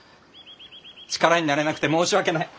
力になれなくて申し訳ない。